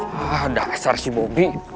wah dasar si bobby